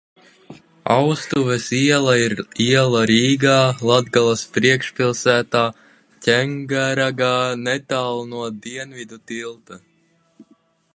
Austuves iela ir iela Rīgā, Latgales priekšpilsētā, Ķengargā, netālu no Dienvidu tilta.